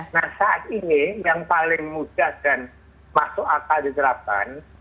nah saat ini yang paling mudah dan masuk akal diterapkan